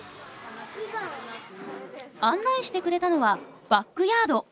案内してくれたのはバックヤード。